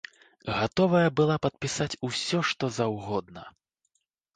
Гатовая была падпісаць усё што заўгодна!